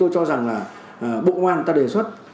tôi cho rằng là bộ công an ta đề xuất